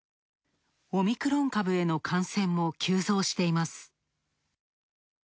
オミクロン株への感染も急増しています。